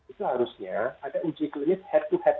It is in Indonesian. itu harusnya ada uji klinis head to head